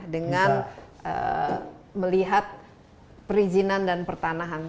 dengan melihat perizinan dan pertanahan